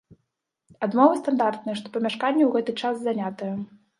Адмовы стандартныя, што памяшканне ў гэты час занятае.